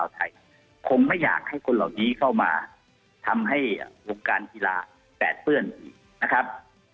ความไม่อยากให้คนเหล่านี้เข้ามาทำให้ที่วงการกีฬาแตกสั้นอีกนะครับ